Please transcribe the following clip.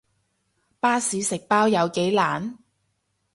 巴士食包有幾難